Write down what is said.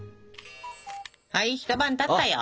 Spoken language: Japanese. はい一晩たったよ。